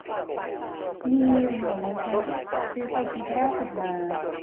มีอยู่หน่อยนึงฮะ ซื้อไปทริปล่าสุดมา